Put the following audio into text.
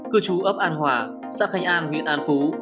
cư trú ấp an hòa xã khánh an huyện an phú